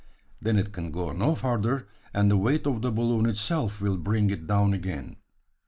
Then it can go no further, and the weight of the balloon itself will bring it down again.